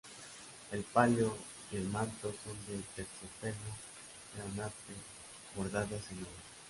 El palio y el manto son de terciopelo granate bordados en oro.